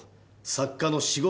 作家の仕事？